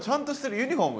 ユニフォーム